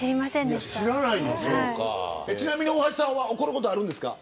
ちなみに大橋さんは怒ることあるんですか。